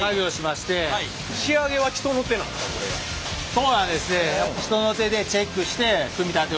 そうなんですね。